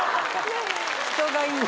人がいいな。